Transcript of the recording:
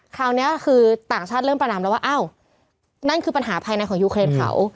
คราวนี้คือต่างชาติเริ่มประนามแล้วว่าอ้าวนั่นคือปัญหาภายในของยูเครนเขา